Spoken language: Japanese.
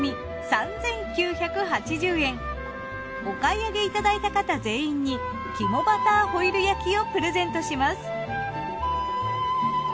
お買い上げいただいた方全員に肝バターホイル焼きをプレゼントします。